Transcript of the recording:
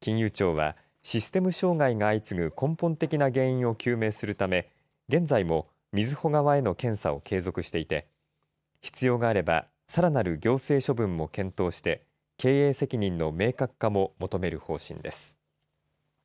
金融庁はシステム障害が相次ぐ根本的な原因を究明するため現在もみずほ側への検査を継続していて必要があればさらなる行政処分も検討して経営責任の明確化も求める方針です。